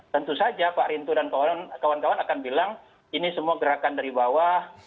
tentu saja pak rinto dan kawan kawan akan bilang ini semua gerakan dari bawah